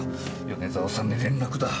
米沢さんに連絡だ。